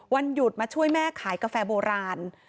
วันหยุดมาช่วยแม่ขายกาแฟโบราณ